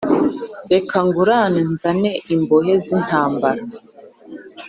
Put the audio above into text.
reka ngurane nzane imbohe zintambara